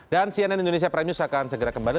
dan cnn indonesia prime news akan segera kembali